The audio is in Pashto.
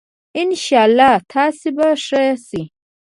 ان شاءاللّه تاسي به ښه سئ